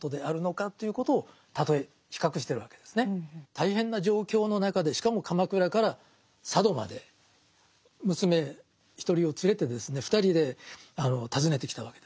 大変な状況の中でしかも鎌倉から佐渡まで娘１人を連れてですね２人で訪ねてきたわけですね。